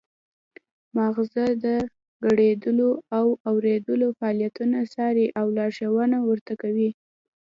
مغزه د ګړیدلو او اوریدلو فعالیتونه څاري او لارښوونه ورته کوي